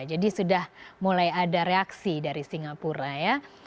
jadi sudah mulai ada reaksi dari singapura ya